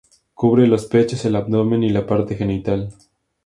Cubre los pechos, el abdomen y la parte genital.